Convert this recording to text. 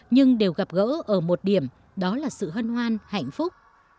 nhưng đều gặp gỡ ở một điểm đó là sự hân hoan hạnh phúc